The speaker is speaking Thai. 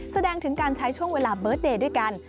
แสดงถึงการใช้ช่วงเวลาเบิร์ตเดย์ด้วยกัน